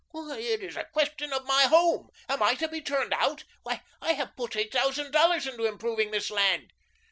"Why, it is a question of my home. Am I to be turned out? Why, I have put eight thousand dollars into improving this land."